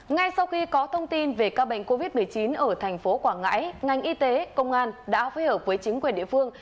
ngay sau khi có thông tin về ca bệnh covid một mươi chín ở thành phố quảng ngãi ngành y tế công an đã phối hợp với chính quyền địa phương